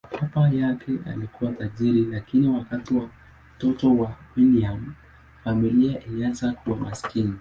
Baba yake alikuwa tajiri, lakini wakati wa utoto wa William, familia ilianza kuwa maskini.